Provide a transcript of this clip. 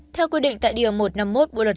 theo quy định tại điều một trăm năm mươi một bộ luật